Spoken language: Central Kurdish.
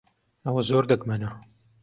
ئەوە زۆر دەگمەنە.